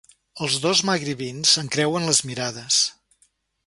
Els dos magribins encreuen les mirades.